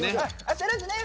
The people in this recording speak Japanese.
焦らずね。